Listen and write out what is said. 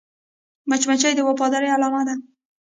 مچمچۍ د وفادارۍ علامه ده